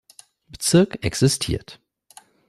Bezirk existiert.